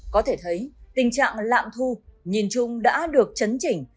có thể thấy tình trạng lạm thu nhìn chung đã được chấn chỉnh